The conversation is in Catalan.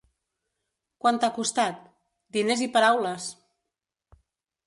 Quant t'ha costat? / —Diners i paraules!